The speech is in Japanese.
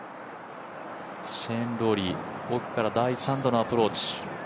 シェーン・ローリー、奥から第３打のアプローチ。